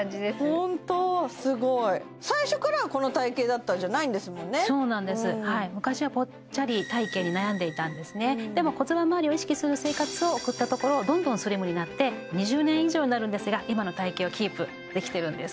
ホントすごい最初からこの体形だったんじゃないんですもんねそうなんです昔はぽっちゃり体形に悩んでたんですでも骨盤まわりを意識する生活を送ったところどんどんスリムになって２０年以上になるんですが今の体形をキープできてるんです